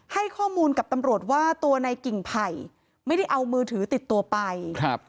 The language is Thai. ให้ข้อมูลกับตำรวจว่าตัวในกิ่งไผ่ไม่ได้เอามือถือติดตัวไปครับ